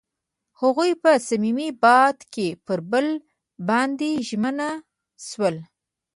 هغوی په صمیمي باد کې پر بل باندې ژمن شول.